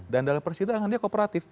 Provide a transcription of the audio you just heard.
dan dalam persidangan dia kooperatif